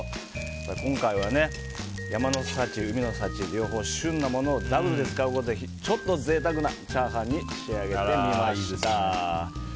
今回は山の幸、海の幸両方、旬なものをダブルで使うことでちょっと贅沢なチャーハンに仕上げてみました。